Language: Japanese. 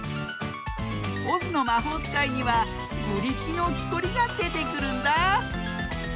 「オズのまほうつかい」にはブリキのきこりがでてくるんだ。